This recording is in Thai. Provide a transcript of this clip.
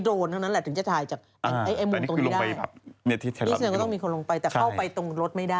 ตอนเรื่องตั้งต้องมีคนลงไปแต่เข้าไปตรงรถไม่ได้